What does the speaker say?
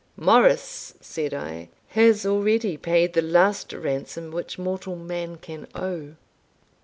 "Morris," said I, "has already paid the last ransom which mortal man can owe."